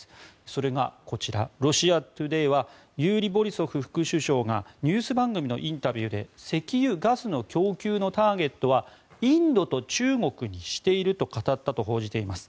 それがこちら、ロシアトゥデイはユーリ・ボリソフ氏がニュース番組のインタビューで石油、ガスの供給のターゲットはインドと中国にしていると語ったと報じています。